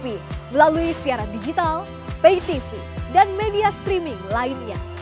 melalui siaran digital pay tv dan media streaming lainnya